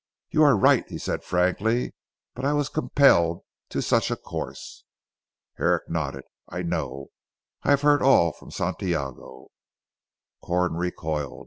"You are right," he said frankly, "but I was compelled to such a course." Herrick nodded. "I know. I have heard all from Santiago." Corn recoiled.